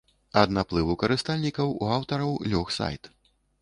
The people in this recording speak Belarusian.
Ад наплыву карыстальнікаў у аўтараў лёг сайт.